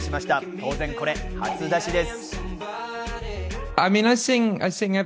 当然、初出しです。